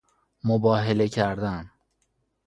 مباهله کردن